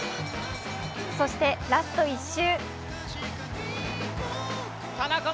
そしてラスト１周。